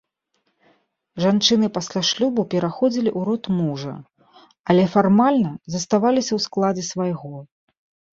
Жанчыны пасля шлюбу пераходзілі ў род мужа, але фармальна заставаліся ў складзе свайго.